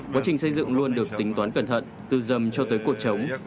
quá trình xây dựng luôn được tính toán cẩn thận từ dầm cho tới cột trống